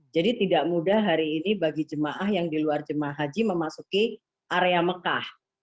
jadi tidak mudah hari ini bagi jemaah yang di luar jemaah haji memasuki area mekah